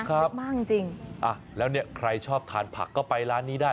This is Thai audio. ชอบมากจริงจริงอ่ะแล้วเนี่ยใครชอบทานผักก็ไปร้านนี้ได้